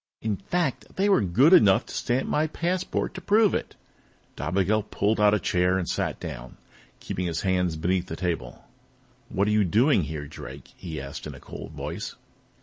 In fact, they were good enough to stamp my passport to prove it." Dobigel pulled out a chair and sat down, keeping his hands beneath the table. "What are you doing here, Drake?" he asked in a cold voice.